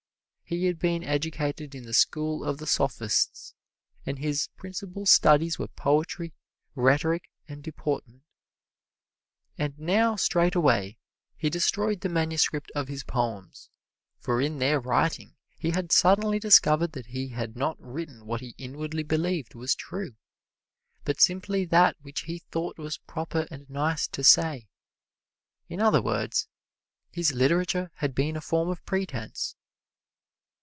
He had been educated in the school of the Sophists, and his principal studies were poetry, rhetoric and deportment. And now straightway he destroyed the manuscript of his poems, for in their writing he had suddenly discovered that he had not written what he inwardly believed was true, but simply that which he thought was proper and nice to say. In other words, his literature had been a form of pretense.